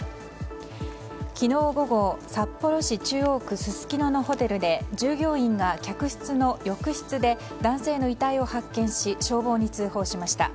昨日午後札幌市中央区すすきののホテルで従業員が客室の浴室で男性の遺体を発見し消防に通報しました。